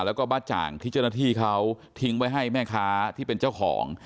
แล้วก็บ้าจ่างที่เจ้าหน้าที่เขาทิ้งไว้ให้แม่ค้าที่เป็นเจ้าของ